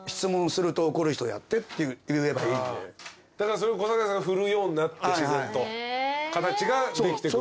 それを小堺さんが振るようになって自然と形ができてくる。